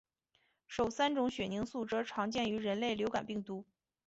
首三种血凝素则常见于人类流感病毒。